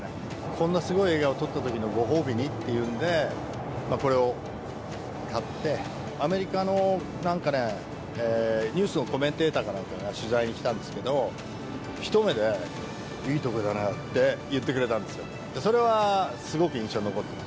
こんなすごい映画を撮ったときのご褒美にっていうんで、これを買って、アメリカのなんかね、ニュースのコメンテーターかなんかが取材に来たんですけど、一目で、いい時計だねって言ってくれたんですよ。